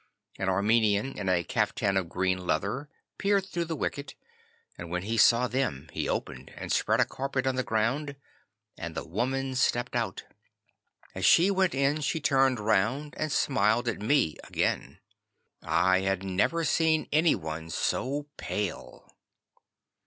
An Armenian in a caftan of green leather peered through the wicket, and when he saw them he opened, and spread a carpet on the ground, and the woman stepped out. As she went in, she turned round and smiled at me again. I had never seen any one so pale.